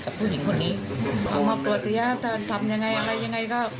กับผู้หญิงคนนี้เอามอบตัวเทียบทำยังไงอะไรยังไงก็